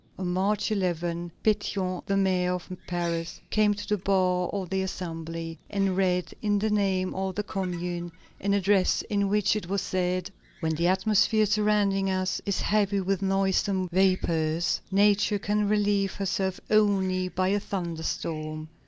On March 11, Pétion, the mayor of Paris, came to the bar of the Assembly, and read, in the name of the Commune, an address in which it was said: "When the atmosphere surrounding us is heavy with noisome vapors, Nature can relieve herself only by a thunder storm.